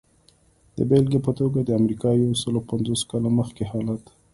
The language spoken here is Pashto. د بېلګې په توګه د امریکا یو سلو پنځوس کاله مخکې حالت.